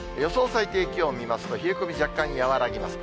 最低気温見ますと、冷え込み若干和らぎます。